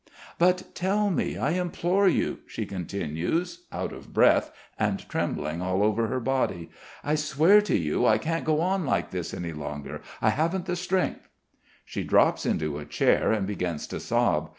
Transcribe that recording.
"But tell me, I implore you," she continues, out of breath and trembling all over her body. "I swear to you, I can't go on like this any longer. I haven't the strength." She drops into a chair and begins to sob.